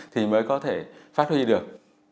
thì mới có thể phát huy được